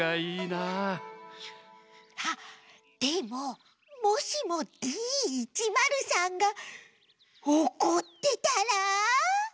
あっでももしもＤ１０３がおこってたら？